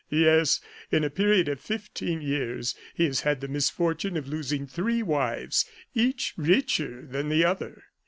Yes, in a period of fifteen years he has had the misfortune of losing three wives, each richer than the other.